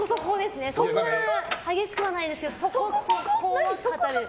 そんな激しくはないですけどそこそこ？